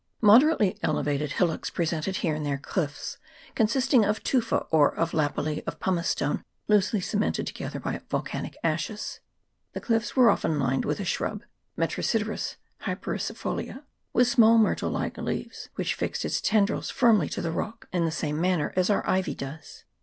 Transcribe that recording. Moderately elevated hillocks presented here and there cliffs consisting of tufa or of lapilli of pumicestone loosely cemented together by volcanic ashes. The cliffs were often lined with a shrub (Metrosideros hypericifolia), with small myrtle like leaves, which fixed its tendrils firmly to the rock, in the same manner as our ivy does.